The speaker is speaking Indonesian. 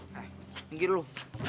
nih pinggir dulu